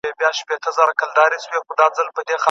کړکۍ په ډېرې کرارۍ سره بنده شوه.